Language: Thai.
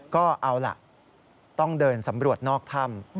ก็เอาล่ะต้องเดินสำรวจนอกถ้ำ